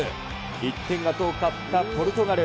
１点が遠かったポルトガル。